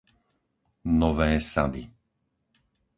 Nové Sady